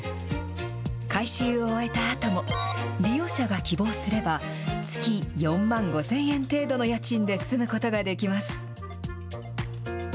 改修を終えたあとも、利用者が希望すれば、月４万５０００円程度の家賃で住むことができます。